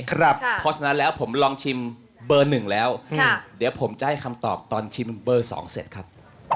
เพราะฉะนั้นแล้วผมชิมเบอร์๑แล้วเดี๋ยวจะให้คำตอบเติมเบอร์๒เสร็จครับ